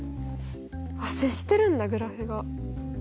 あっ接してるんだグラフが。